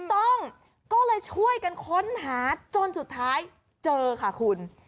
ถูกต้องก็เลยช่วยกันค้นหาจนสุดท้ายเจอค่ะคุณ